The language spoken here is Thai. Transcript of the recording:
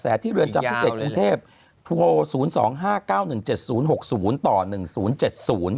แสดงที่เรือนจับพฤติกรุงเทพฯโทษ๐๒๕๙๑๗๐๖๐๑๐๗๐